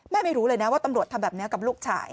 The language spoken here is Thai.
ไม่รู้เลยนะว่าตำรวจทำแบบนี้กับลูกชาย